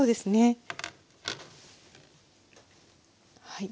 はい。